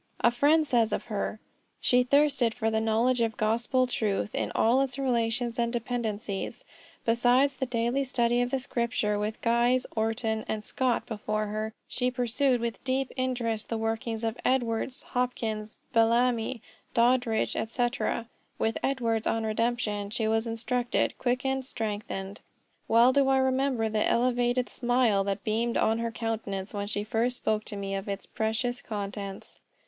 A friend says of her: "She thirsted for the knowledge of gospel truth in all its relations and dependencies. Besides the daily study of the scripture with Guise, Orton, and Scott before her, she perused with deep interest the works of Edwards, Hopkins, Belamy, Doddridge, &c. With Edwards on Redemption, she was instructed, quickened, strengthened. Well do I remember the elevated smile that beamed on her countenance when she first spoke to me of its precious contents.